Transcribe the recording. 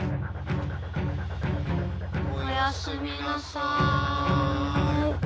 「おやすみなさい」。